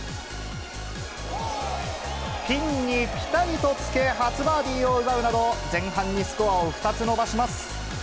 ピンにぴたりとつけ、初バーディーを奪うなど、前半にスコアを２つ伸ばします。